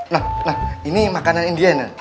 nah nah ini makanan india non